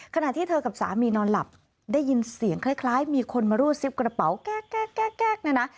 ขณะที่เธอกับสามีนอนหลับได้ยินเสียงคล้ายมีคนมารูดซิบกระเป๋าแก๊กเนี่ยนะ